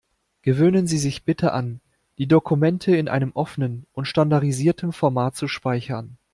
Gewöhnen Sie sich bitte an, die Dokumente in einem offenen und standardisierten Format zu speichern.